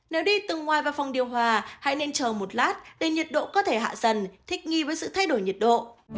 nếu đi từ ngoài vào phòng điêu hoa hãy nên chờ một lát để nhiệt độ có thể hạ dần thích nghi với sự thay đổi nhiệt độ